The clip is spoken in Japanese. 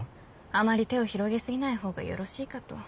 あまり手を広げ過ぎないほうがよろしいかと。